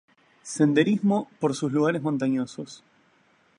Senderismo, por sus lugares montañosos.